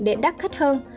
để đắt khách hơn